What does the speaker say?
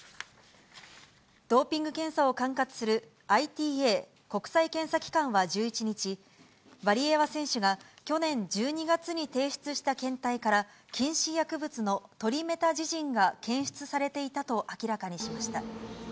ドーピング検査を管轄する、ＩＴＡ・国際検査機関は１１日、ワリエワ選手が去年１２月に提出した検体から、禁止薬物のトリメタジジンが検出されていたと明らかにしました。